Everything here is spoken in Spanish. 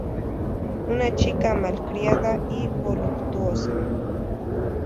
Una chica malcriada y voluptuosa.